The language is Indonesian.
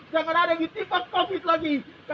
jangan ada yang ditimpa covid lagi